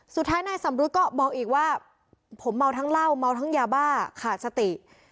สุดท้ายนายสำรุษก็บอกอีกว่าผมเมาทั้งเหล้าเมาทั้งยาบ้าขาดสติ